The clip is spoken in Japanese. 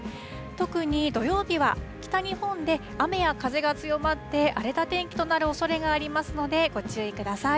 特に土曜日は北日本で雨や風が強まって、荒れた天気となるおそれがありますので、ご注意ください。